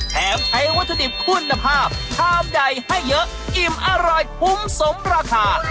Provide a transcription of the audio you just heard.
แถมใช้วัตถุดิบคุณภาพชามใหญ่ให้เยอะอิ่มอร่อยคุ้มสมราคา